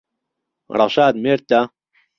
ڕەشاد مێردتە؟